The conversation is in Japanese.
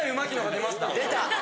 出た。